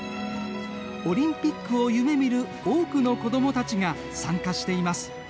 オリンピックを夢みる多くの子どもたちが参加しています。